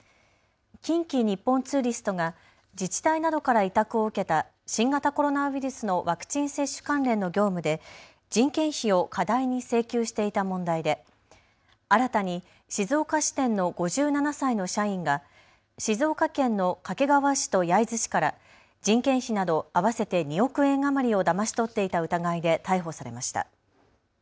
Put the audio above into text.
近畿日本ツーリストが自治体などから委託を受けた新型コロナウイルスのワクチン接種関連の業務で人件費を過大に請求していた問題で新たに静岡支店の５７歳の社員が静岡県の掛川市と焼津市から人件費など合わせて２億円余りをだまし取っていた疑いで逮捕されました。